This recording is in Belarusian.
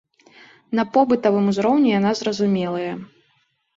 На побытавым узроўні яна зразумелая.